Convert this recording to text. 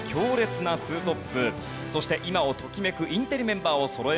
そして今をときめくインテリメンバーをそろえました。